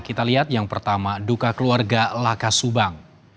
kita lihat yang pertama duka keluarga laka subang